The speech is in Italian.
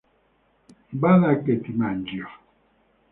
Bada che ti mangio!